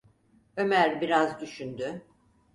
Ömer biraz düşündü.